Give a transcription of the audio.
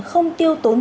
không tiêu tốn